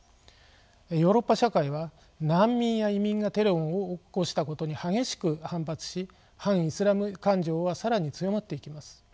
ヨーロッパ社会は難民や移民がテロを起こしたことに激しく反発し反イスラム感情は更に強まっていきます。